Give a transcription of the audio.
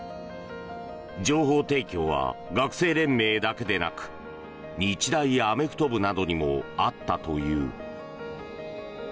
情報提供は学生連盟だけでなく日大アメフト部などにもあったという。